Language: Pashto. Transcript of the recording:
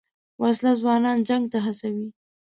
وسله ځوانان جنګ ته هڅوي